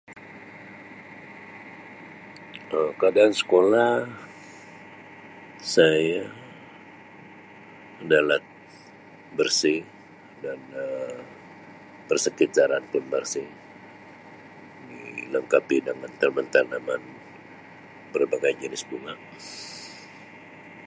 Um Keadaan sekolah saya adalah bersih dan Um persekitaran pun bersih, dilengkapi dengan taman-tanaman berbagai jenis bunga.